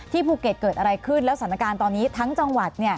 ภูเก็ตเกิดอะไรขึ้นแล้วสถานการณ์ตอนนี้ทั้งจังหวัด